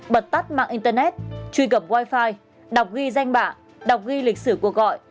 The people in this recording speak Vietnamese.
bật tắt mạng internet truy cập wifi đọc ghi danh bạ đọc ghi lịch sử cuộc gọi